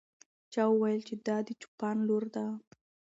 چا وویل چې دا د چوپان لور ده.